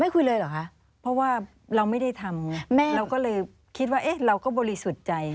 คุยเลยเหรอคะเพราะว่าเราไม่ได้ทำไงเราก็เลยคิดว่าเอ๊ะเราก็บริสุทธิ์ใจ